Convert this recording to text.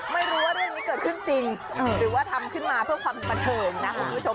ไม่รู้ว่าเรื่องนี้เกิดขึ้นจริงหรือว่าทำขึ้นมาเพื่อความบันเทิงนะคุณผู้ชม